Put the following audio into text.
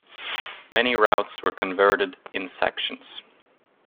Many routes were converted in sections.